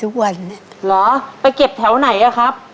เกี่ยวไหนอ่ะครับ